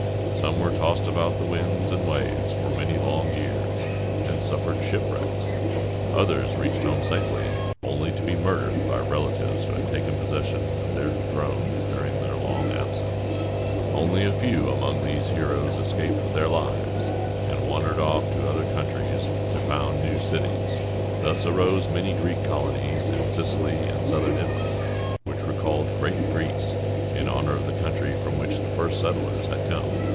Some were tossed about by the winds and waves for many long years, and suffered shipwrecks. Others reached home safely, only to be murdered by relatives who had taken possession of their thrones during their long absence. [Illustration: Vase.] [Illustration: Jug.] [Illustration: Cup.] Only a few among these heroes escaped with their lives, and wandered off to other countries to found new cities. Thus arose many Greek colonies in Sicily and southern Italy, which were called Great Greece, in honor of the country from which the first settlers had come.